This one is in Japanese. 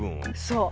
そう。